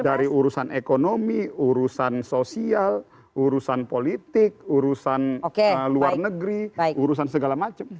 dari urusan ekonomi urusan sosial urusan politik urusan luar negeri urusan segala macam